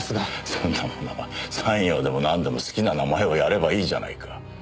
そんなものは参与でもなんでも好きな名前をやればいいじゃないか。